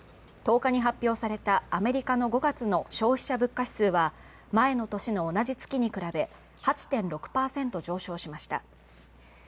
１０日に発表されたアメリカの５月の消費者物価指数は前の年の同じ月に比べ８．６％上昇しました。